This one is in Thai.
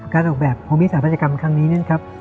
การออกแบบภูมิสาปัจจักรรมครั้งนี้นั่น